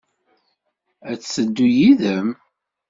Ad d-teddu yid-m?